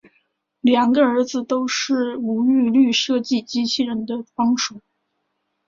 两个儿子都是吴玉禄设计机器人的帮手。